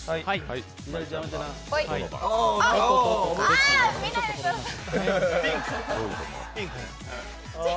あー、見ないでください。